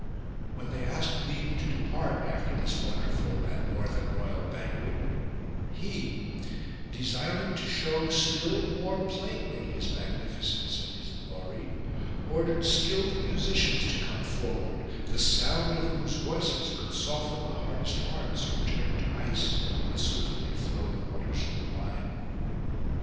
When they asked leave to depart after this wonderful and more than royal banquet he, desiring to show still more plainly his magnificence and his glory, ordered skilled musicians to come forward, the sound of whose voices could soften the hardest hearts or turn to ice the swiftly flowing waters of the Rhine.